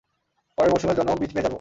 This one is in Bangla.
পরের মৌসুমের জন্যও বীজ পেয়ে যাবো?